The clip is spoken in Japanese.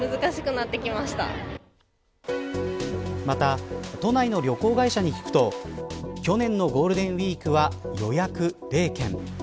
また都内の旅行会社に聞くと去年のゴールデンウイークは予約０件。